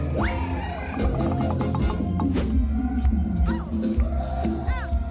แถวหน้าเท่านั้น